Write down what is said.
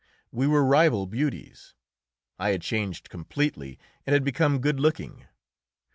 We were rival beauties. I had changed completely and had become good looking.